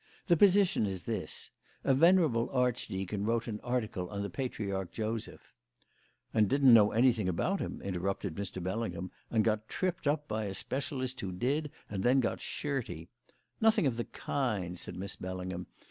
The position is this: A venerable archdeacon wrote an article on the patriarch Joseph " "And didn't know anything about him," interrupted Mr. Bellingham, "and got tripped up by a specialist who did, and then got shirty " "Nothing of the kind," said Miss Bellingham.